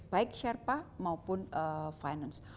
baik share part maupun finance